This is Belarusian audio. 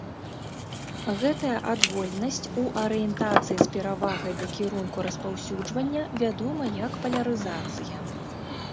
Гэтая адвольнасць ў арыентацыі з перавагай да кірунку распаўсюджвання вядома як палярызацыя.